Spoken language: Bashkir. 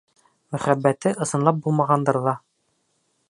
Мөхәббәте ысынлап булмағандыр ҙа.